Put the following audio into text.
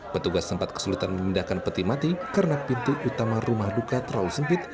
petugas sempat kesulitan memindahkan peti mati karena pintu utama rumah duka terlalu sempit